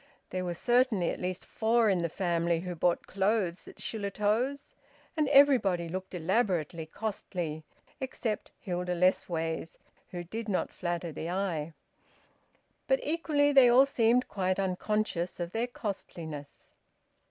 There were certainly at least four in the family who bought clothes at Shillitoe's, and everybody looked elaborately costly, except Hilda Lessways, who did not flatter the eye. But equally, they all seemed quite unconscious of their costliness.